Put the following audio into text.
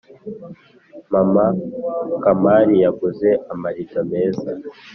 maman kamari yaguze amarido meza